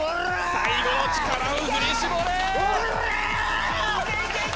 最後の力を振り絞れ！